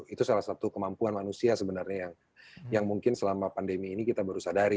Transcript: itu salah satu kemampuan manusia sebenarnya yang mungkin selama pandemi ini kita baru sadari